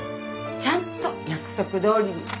ちゃんと約束どおりに。